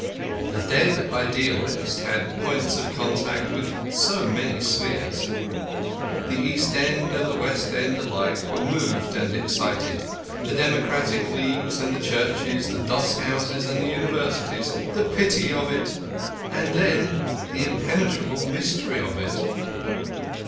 The dead idealist had points of contact with so many spheres. The East end and the West end alike were moved and excited, the Democratic Leagues and the Churches, the Doss houses and the Universities. The pity of it! And then the impenetrable mystery of it!